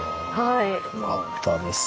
よかったです。